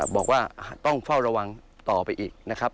บอกว่าต้องเฝ้าระวังต่อไปอีกนะครับ